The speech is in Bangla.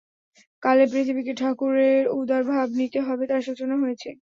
কালে পৃথিবীকে ঠাকুরের উদার ভাব নিতে হবে, তার সূচনা হয়েছে।